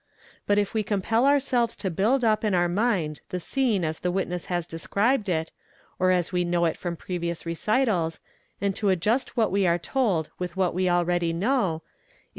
But if we compel ourselves to build up in our mind the scene as the witness has described it, or as we know it from previous 4 ecitals, and to adjust what we are told with what we already know, if a.